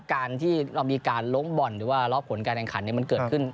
การที่เรามีการล้มบ่อนหรือว่ารอบผลการแข่งขันมันเกิดขึ้น